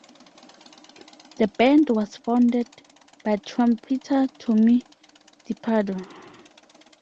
The band was founded by trumpeter Tony DiPardo.